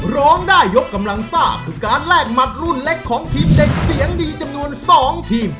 ร้องได้ยกกำลังซ่าคือการแลกหมัดรุ่นเล็กของทีมเด็กเสียงดีจำนวน๒ทีม